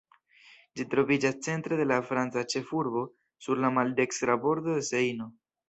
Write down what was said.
Ĝi troviĝas centre de la franca ĉefurbo, sur la maldekstra bordo de Sejno.